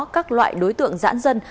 các loại đối tượng giãn dân